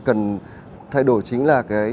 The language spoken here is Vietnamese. cần thay đổi chính là